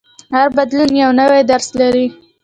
هر بدلون یو نوی درس لري.